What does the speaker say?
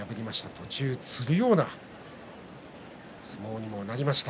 途中つるような相撲にもなりました。